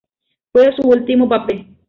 Fue su último papel.